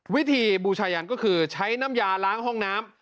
วิธีบูชายันก็คือใช้น้ำยาล้างห้องน้ำ